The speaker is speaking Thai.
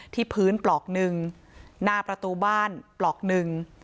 ที่พื้นปลอกหนึ่งหน้าประตูบ้านปลอกหนึ่ง